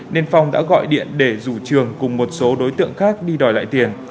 nên phong đã gọi điện để rủ trường cùng một số đối tượng khác đi đòi lại tiền